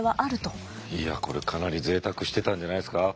いやこれかなりぜいたくしてたんじゃないですか。